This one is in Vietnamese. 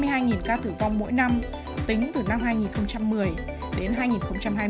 có khoảng một mươi hai đến năm mươi hai ca tử vong mỗi năm tính từ năm hai nghìn một mươi đến hai nghìn hai mươi